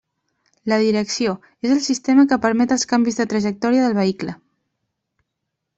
La direcció: és el sistema que permet els canvis de trajectòria del vehicle.